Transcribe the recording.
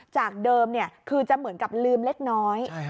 จากเดิมคือจะเหมือนกับลืมเล็กน้อย